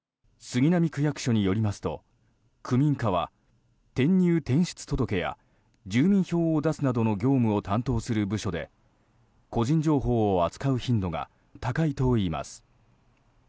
杉並区役所によりますと区民課は転入・転出届や住民票を出すなどの業務を担当する部署で個人情報を扱う頻度が高いといいます。